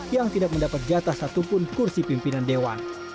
yang tidak mendapat jatah satupun kursi pimpinan dewan